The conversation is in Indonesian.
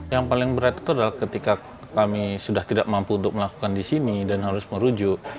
yang paling berat itu adalah ketika kami sudah tidak mampu untuk melakukan di sini dan harus merujuk